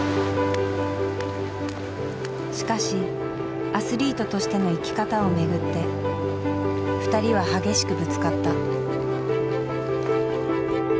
しかしアスリートとしての生き方を巡って２人は激しくぶつかった。